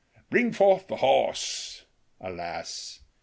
" Bring forth the horse !" Alas